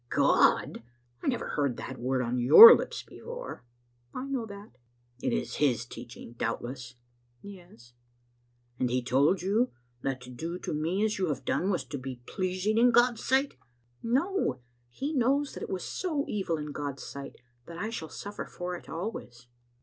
"" God! I never heard the word on your lips before." "I know that." " It is his teaching, doubtless?" "Yes." " And he told you that to do to me as you have done was to be pleasing in God's sight?" " No; he knows that it was so evil in God's sight that I shall suflEer for it always."